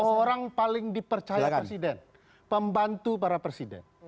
orang paling dipercaya presiden pembantu para presiden